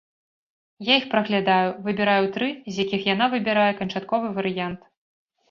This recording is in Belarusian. Я іх праглядаю, выбіраю тры, з якіх яна выбірае канчатковы варыянт.